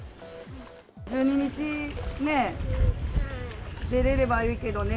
１２日ね、出れればいいけどね。